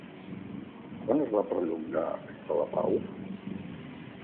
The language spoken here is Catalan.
Quan es va perllongar fins a la Pau?